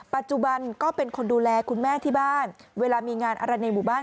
ปัจจุบันก็เป็นคนดูแลคุณแม่ที่บ้านเวลามีงานอะไรในหมู่บ้าน